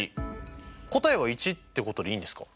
答えは１ってことでいいんですか？